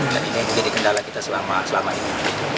dan ini yang menjadi kendala kita selama ini